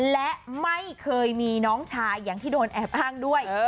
และไม่เคยมีน้องชายอย่างที่โดนแอบอ้างด้วย